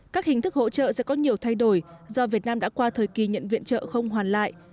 các hình thức hỗ trợ sẽ có nhiều thay đổi do việt nam đã qua thời kỳ nhận viện trợ không hoàn lại